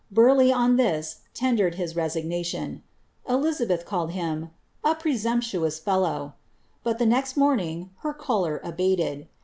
ii, on this, tendered his resignation; Elizabeth called him ^^a ptuous fellow ;" but, the next morning, her choler abated.